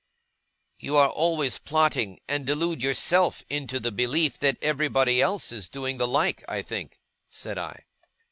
'You are always plotting, and delude yourself into the belief that everybody else is doing the like, I think,' said I.